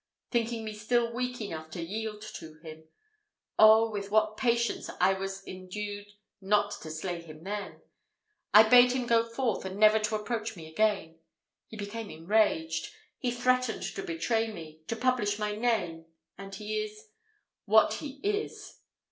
thinking me still weak enough to yield to him. Oh! with what patience I was endued not to slay him then! I bade him go forth, and never to approach me again. He became enraged he threatened to betray me to publish my shame and he is what he is!"